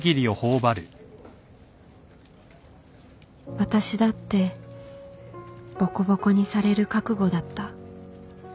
私だってボコボコにされる覚悟だった